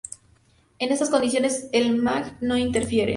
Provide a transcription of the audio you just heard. En estas condiciones el Mg no interfiere.